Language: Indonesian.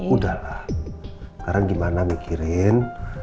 udahlah sekarang gimana mikirin